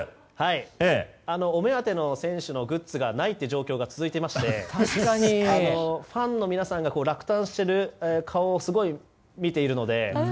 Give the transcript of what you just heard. お目当ての選手のグッズがないという状況が続いていましてファンの皆さんが落胆している顔をすごく見ているので。